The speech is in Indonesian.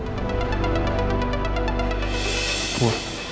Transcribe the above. jangan sampai dia ada di telinga